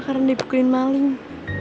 karena dibukuin maling